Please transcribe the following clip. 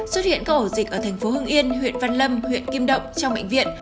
xuất hiện các ổ dịch ở thành phố hưng yên huyện văn lâm huyện kim động trong bệnh viện